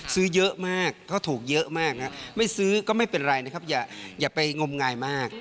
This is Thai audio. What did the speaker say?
ซื้อเยอะมากเขาถูกเยอะมากไม่ซื้อก็ไม่เป็นไรนะครับอย่าไปงมงายมาก